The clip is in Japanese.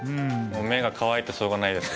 もう目が乾いてしょうがないです。